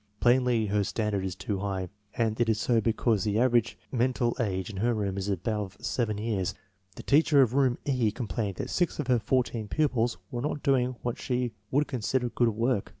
Plainly her stand ard is too high, and it is so because the average menta f age in her room is above seven years. The teacher oi room E complained that six of her fourteen pupils were not doing what she would consider good work.